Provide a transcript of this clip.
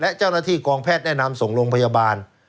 และเจ้าหน้าที่กองแพทย์แนะนำส่งโรงพยาบาล